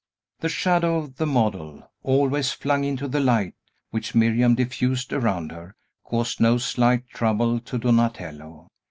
The shadow of the model, always flung into the light which Miriam diffused around her, caused no slight trouble to Donatello.